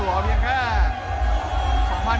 ส่วนใหญ่เลยครับ